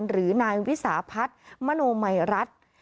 หรือนายวิสาพัฒน์มโนมัยรัฐ